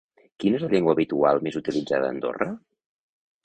Quina és la llengua habitual més utilitzada a Andorra?